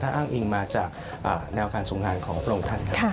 อ้างอิงมาจากแนวการทรงงานของพระองค์ท่านครับ